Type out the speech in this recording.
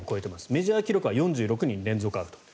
メジャー記録は４６人連続アウト。